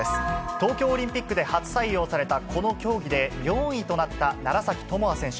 東京オリンピックで初採用されたこの競技で４位となった楢崎智亜選手。